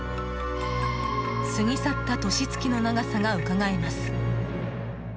過ぎ去った年月の長さがうかがえます。